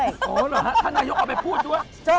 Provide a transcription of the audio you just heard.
โอ้โหเหรอฮะท่านนายกเอาไปพูดด้วย